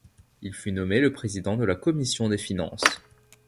Il fut nommé le président de la commission des finances.